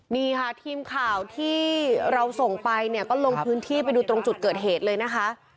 นี่ค่ะทีมข่าวที่เราส่งไปเนี่ยก็ลงพื้นที่ไปดูตรงจุดเกิดเหตุเลยนะคะ